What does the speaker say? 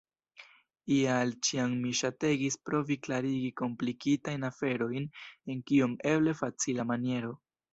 Ial ĉiam mi ŝategis provi klarigi komplikitajn aferojn en kiom eble facila maniero.